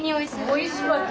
おいしかった。